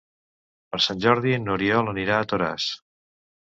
Per Sant Jordi n'Oriol anirà a Toràs.